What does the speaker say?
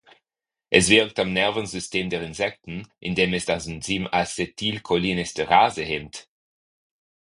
Es wirkt am Nervensystem der Insekten, indem es das Enzym Acetylcholinesterase hemmt.